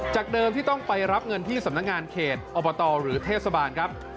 เดิมที่ต้องไปรับเงินที่สำนักงานเขตอบตหรือเทศบาลครับ